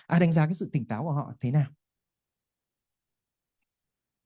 à đánh giá cái sự tỉnh táo của họ thế nào